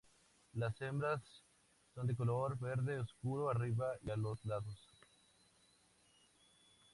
Las hembras son de color verde oscuro arriba y a los lados.